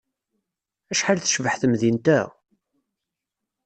Acḥal tecbeḥ temdint-a!